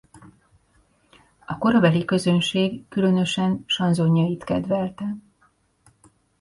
A korabeli közönség különösen sanzonjait kedvelte.